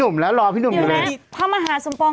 นุ่มแล้วรอที่นุ่มเดียวเลยพระมหาสมปอง